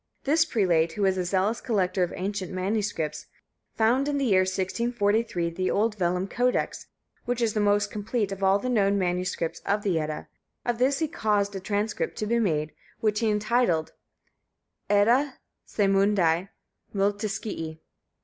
This prelate, who was a zealous collector of ancient manuscripts, found in the year 1643, the old vellum codex, which is the most complete of all the known manuscripts of the Edda; of this he caused a transcript to be made, which he entitled Edda Saemundi Multiscii.